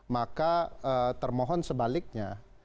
maka termohon sebaliknya